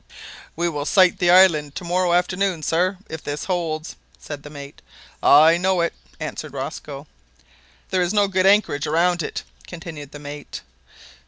"We will sight the island to morrow afternoon, sir, if this holds," said the mate. "I know it," answered Rosco. "There is no good anchorage around it," continued the mate.